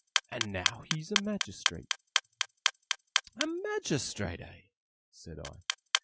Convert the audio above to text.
And now he's a Magistrate.' 'A Magistrate, eh?' said I.